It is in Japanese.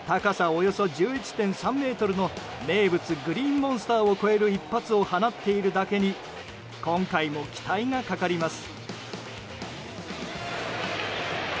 およそ１１．３ｍの名物グリーンモンスターを越える一発を放っているだけに今回も期待がかかります。